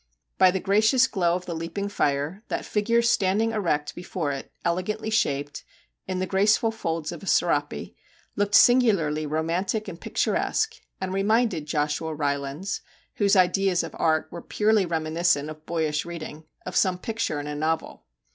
By the gracious glow of the leaping fire, that figure standing erect before it, elegantly shaped, in the graceful folds of a serape, looked singularly romantic and pictu 36 MR. JACK HAMLIN'S MEDIATION resque, and reminded Joshua Rylands whose ideas of art were purely reminiscent of boyish reading of some picture in a novel.